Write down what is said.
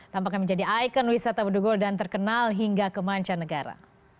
tampaknya menjadi ikon wisata bedugul dan terkenal hingga ke mancanegara